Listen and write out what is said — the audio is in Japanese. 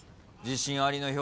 自信ありの表情。